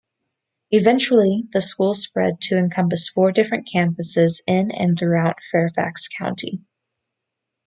Eventually the school spread to encompass four different campuses in and throughout Fairfax county.